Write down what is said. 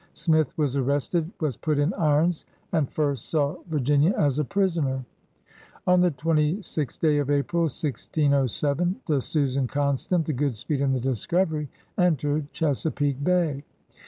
Smith was arrested, was put in irons, and first saw Virginia as a prisoner. On the twenty sixth day of April, 1607, the Susan ConstanU the Goodspeed, and the Discovery entered Chesapeake Bay.